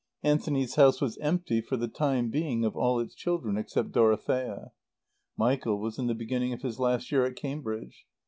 Anthony's house was empty for the time being of all its children except Dorothea. Michael was in the beginning of his last year at Cambridge.